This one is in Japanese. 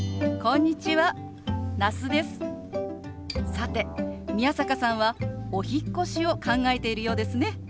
さて宮坂さんはお引っ越しを考えているようですね。